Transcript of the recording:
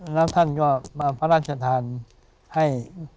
แล้วท่านก็มาพระราชทานให้